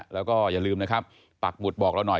แล้วก็อย่าลืมนะครับปักหมุดบอกเราหน่อย